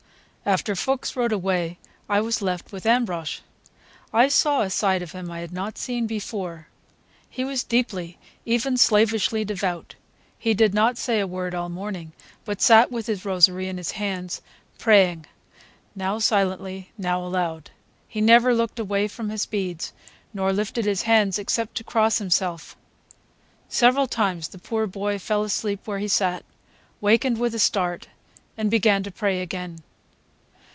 After Fuchs rode away, I was left with Ambrosch. I saw a side of him I had not seen before. He was deeply, even slavishly, devout. He did not say a word all morning, but sat with his rosary in his hands, praying, now silently, now aloud. He never looked away from his beads, nor lifted his hands except to cross himself. Several times the poor boy fell asleep where he sat, wakened with a start, and began to pray again.